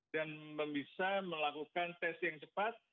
dan bisa melakukan tes yang cepat